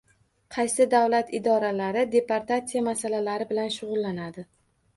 Qaysi davlat idoralari deportatsiya masalalari bilan shug‘ullanadi?